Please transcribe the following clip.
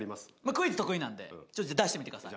クイズ得意なんで出してみてください。